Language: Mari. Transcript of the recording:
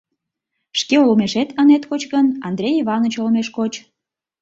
«Шке олмешет ынет коч гын, Андрей Иваныч олмеш коч.